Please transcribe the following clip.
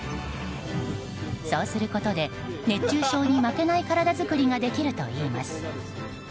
そうすることで熱中症に負けない体づくりができるといいます。